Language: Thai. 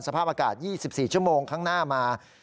สภาพอากาศ๒๔ชั่วโมงข้างหน้ามา